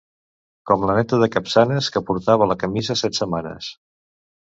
Com la Neta de Capçanes, que portava la camisa set setmanes.